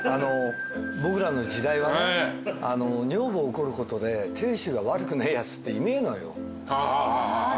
僕らの時代はね女房を怒ることで亭主が悪くねえやつっていねえのよ。